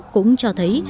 cũng cho thấy